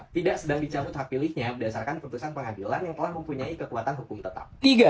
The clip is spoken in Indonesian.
tidak sedang dicabut hak pilihnya berdasarkan keputusan pengadilan yang telah mempunyai kekuatan hukum tetap